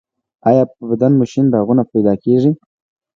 ایا په بدن مو شین داغونه پیدا کیږي؟